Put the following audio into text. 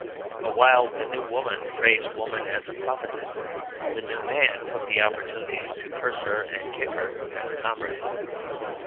But while the New Woman praised woman as a prophetess, the new man took the opportunity to curse her and kick her as a comrade.